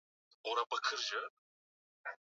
yalikotokea msitupicmtoamazon Victoric Amazonika